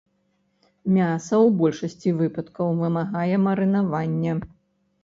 Мяса ў большасці выпадкаў вымагае марынавання.